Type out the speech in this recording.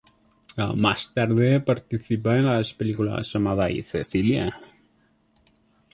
Más tarde participa en las películas: "Amada" y "Cecilia".